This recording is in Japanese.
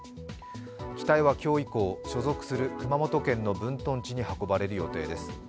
機体は今日以降、所属する熊本県の分屯地に運ばれる予定です。